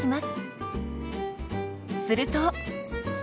すると。